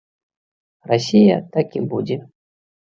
Расія, так і будзе.